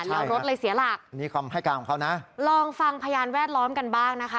แล้วรถเลยเสียหลักลองฟังพยานแวดล้อมกันบ้างนะครับ